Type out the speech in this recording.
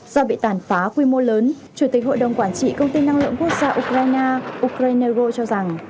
do bị tàn phá quy mô lớn chủ tịch hội đồng quản trị công ty năng lượng quốc gia ukraine okreneiro cho rằng